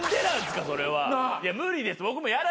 いや無理です僕も。